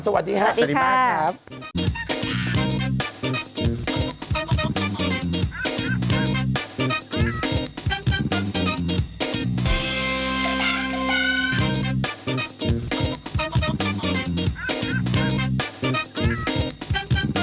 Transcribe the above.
สวัสดีครับสวัสดีค่ะสวัสดีค่ะสวัสดีค่ะสวัสดีครับ